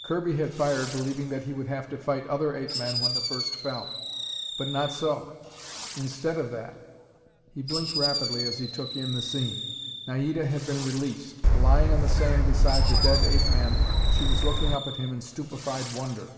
Kirby had fired believing that he would have to fight other ape men when the first fell. But not so. Instead of that He blinked rapidly as he took in the scene. Naida had been released. Lying on the sand beside the dead ape man, she was looking up at him in stupefied wonder.